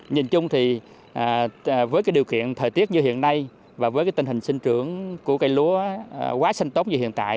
nhìn chung thì với điều kiện thời tiết như hiện nay và với tình hình sinh trưởng của cây lúa quá sinh tống như hiện tại